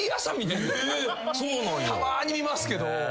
たまーに見ますけど。